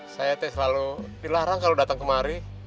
saya selalu dilarang kalau datang kemari